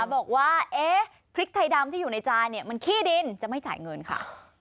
บอกว่าเอ๊ะพริกไทยดำที่อยู่ในจานเนี่ยมันขี้ดินจะไม่จ่ายเงินค่ะ